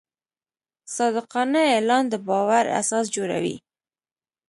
صادقانه اعلان د باور اساس جوړوي.